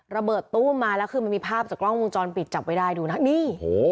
ระเบิดตู้มมาแล้วคือมันมีภาพจากกล้องวงจรปิดจับไว้ได้ดูนะนี่โอ้โห